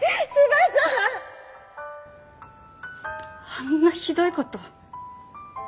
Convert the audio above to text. あんなひどい事！